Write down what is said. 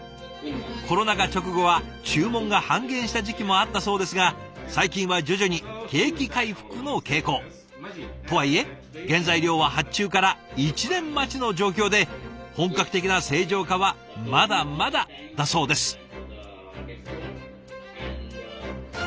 コロナ禍直後は注文が半減した時期もあったそうですが最近は徐々に景気回復の傾向。とはいえ原材料は発注から１年待ちの状況で本格的な正常化はまだまだだそうです。